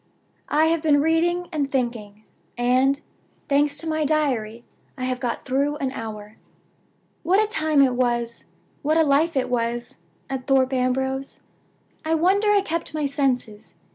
I have been reading and thinking; and, thanks to my Diary, I have got through an hour. "What a time it was what a life it was, at Thorpe Ambrose! I wonder I kept my senses.